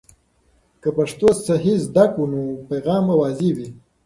که پښتو صحیح زده کړو، پیغام به واضح وي.